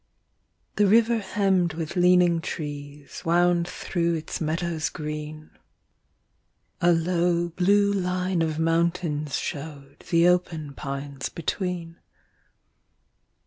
The river hemmed with leaning trees Wound through its meadows green; A low, blue line of mountains showed The open pines between.